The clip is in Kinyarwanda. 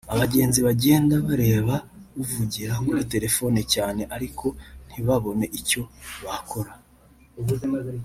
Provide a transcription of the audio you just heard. Abagenzi bagenda bareba uvugira kuri telefone cyane ariko ntibabone icyo bakora